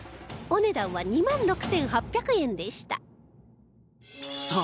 お値段は２万６８００円でした